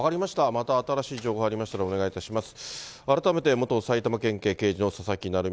また新しい情報が入りましたらお願いいたします。